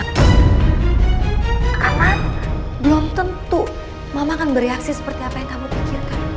karena belum tentu mama akan beriaksi seperti apa yang kamu pikirkan